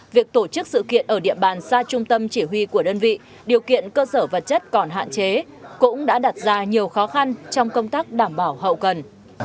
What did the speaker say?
việc tổ chức sự kiện ở địa bàn xa trung tâm chỉ huy của đơn vị điều kiện cơ sở vật chất còn hạn chế cũng đã đặt ra nhiều khó khăn trong công tác đảm bảo hậu cần